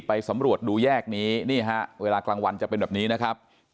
สำรวจดูแยกนี้นี่ฮะเวลากลางวันจะเป็นแบบนี้นะครับ